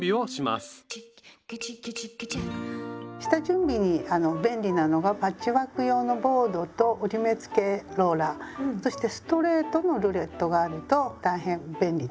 下準備に便利なのがパッチワーク用のボードと折り目つけローラーそしてストレートのルレットがあると大変便利です。